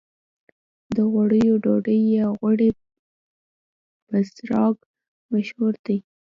د غوړیو ډوډۍ یا غوړي بسراق مشهور دي.